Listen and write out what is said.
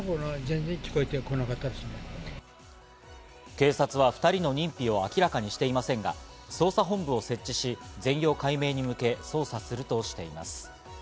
警察は２人の認否を明らかにしていませんが、捜査本部を設置し、全容解明に向け捜査するとしています。